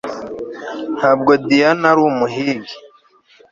Ntabwo Diana ari umuhigi